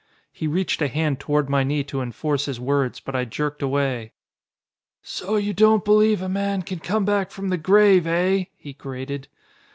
He reached a hand toward my knee to enforce his words, but I jerked away. "So you don't believe a man can come back from the grave, eh?" he grated.